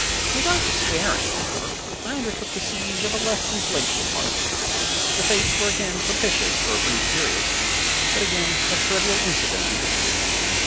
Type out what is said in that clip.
Without despairing, however, I undertook the siege of a less implacable heart. The fates were again propitious for a brief period; but again a trivial incident interfered.